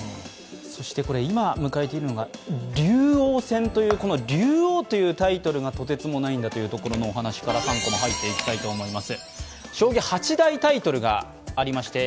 今、迎えているのが竜王戦というこの竜王というタイトルがとてつもないんだというお話から３コマ、入っていきます。